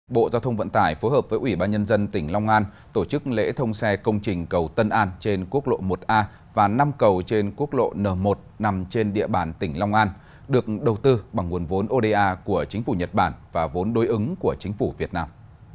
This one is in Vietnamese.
bộ giao thông vận tải phối hợp với ủy ban nhân dân tỉnh long an tổ chức lễ thông xe công trình cầu tân an trên quốc lộ một a và năm cầu trên quốc lộ n một nằm trên địa bàn tỉnh long an được đầu tư bằng nguồn vốn oda của chính phủ nhật bản và vốn đối ứng của chính phủ việt nam